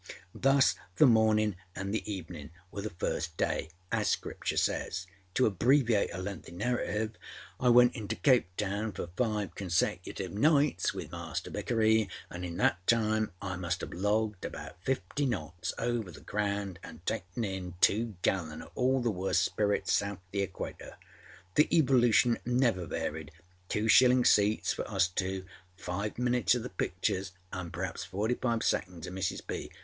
â Thus the morninâ anâ the eveninâ were the first day, as Scripture saysâ¦. To abbreviate a lengthy narrative, I went into Cape Town for five consecutive nights with Master Vickery, and in that time I must âave logged about fifty knots over the ground anâ taken in two gallon oâ all the worst spirits south the Equator. The evolution never varied. Two shilling seats for us two; five minutes oâ the pictures, anâ perhaps forty five seconds oâ Mrs. B.